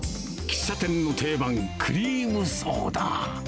喫茶店の定番、クリームソーダ。